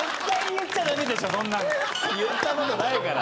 言ったことないから。